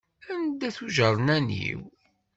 Anda-t ujernan-iw?